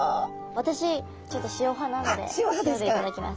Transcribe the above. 私ちょっと塩派なので塩で頂きます。